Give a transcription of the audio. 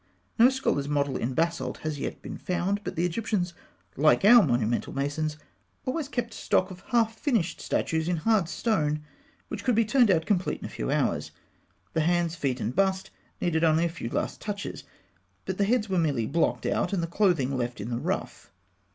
No scholar's model in basalt has yet been found; but the Egyptians, like our monumental masons, always kept a stock of half finished statues in hard stone, which could be turned out complete in a few hours. The hands, feet, and bust needed only a few last touches; but the heads were merely blocked out, and the clothing left in the rough.